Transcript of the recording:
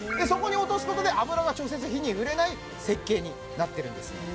そこに落とすことで脂が直接火に触れない設計になってるんですよ